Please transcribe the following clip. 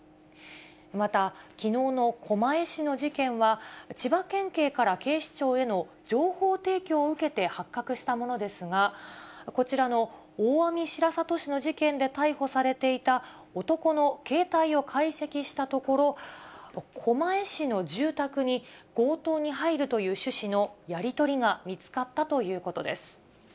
またきのうの狛江市の事件は千葉県警から警視庁への情報提供を受けて発覚したものですが、こちらの大網白里市の事件で逮捕されていた男の携帯を解析したところ、狛江市の住宅に、強盗に入るという趣旨のやり取りが見つかったということです。